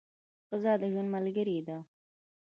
ښځه د ژوند ملګرې ده.